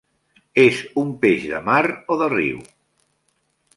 És un peix de mar o de riu?